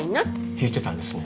引いてたんですね。